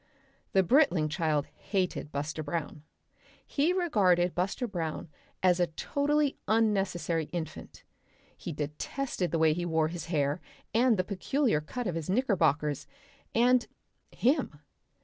The Britling child hated Buster Brown. He regarded Buster Brown as a totally unnecessary infant. He detested the way he wore his hair and the peculiar cut of his knickerbockers and him.